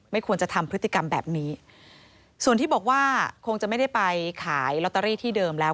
ควรจะทำพฤติกรรมแบบนี้ส่วนที่บอกว่าคงจะไม่ได้ไปขายลอตเตอรี่ที่เดิมแล้ว